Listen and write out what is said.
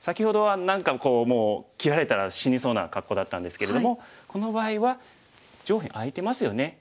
先ほどは何かこうもう切られたら死にそうな格好だったんですけれどもこの場合は上辺空いてますよね。